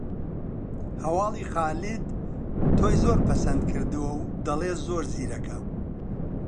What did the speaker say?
هەواڵی خالید تۆی زۆر پەسند کردووە و دەڵێ زۆر زیرەکە